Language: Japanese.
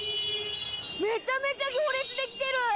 めちゃめちゃ行列できてる。